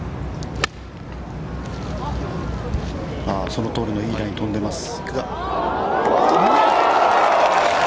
その通りのいいラインに飛んでます。